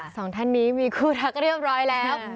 สองท่านนี้มีคู่ทักเรียบร้อยแล้ว